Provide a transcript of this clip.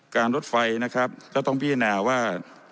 การรถไฟนะครับก็ต้องพินาว่า